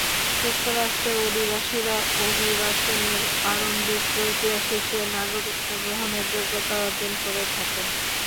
যুক্তরাষ্ট্রে অভিবাসীরা অভিবাসনের প্রারম্ভিক প্রক্রিয়া শেষে নাগরিকত্ব গ্রহণের যোগ্যতা অর্জন করে থাকেন।